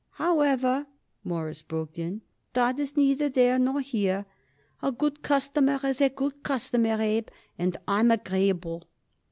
"However," Morris broke in, "that is neither there nor here. A good customer is a good customer, Abe, and so I'm agreeable."